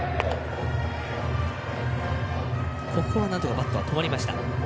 ここはなんとかバット止まりました。